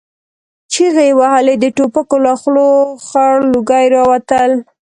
چيغې يې وهلې، د ټوپکو له خولو خړ لوګي را وتل.